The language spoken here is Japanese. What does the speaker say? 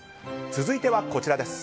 続いてはこちらです。